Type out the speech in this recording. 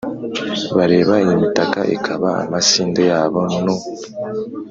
Bareba imitaka, ikaba amasinde yabo nu :